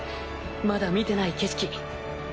まだ見てない景色。